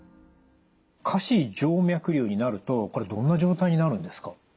下肢静脈瘤になるとこれどんな状態になるんですか？